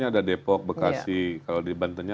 ada depok bekasi kalau di bantennya